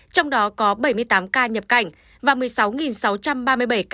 trong đó có bảy mươi tám ca nhập cảnh và một mươi sáu sáu trăm linh ca nhiễm mới